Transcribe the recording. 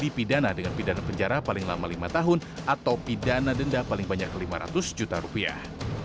dipidana dengan pidana penjara paling lama lima tahun atau pidana denda paling banyak lima ratus juta rupiah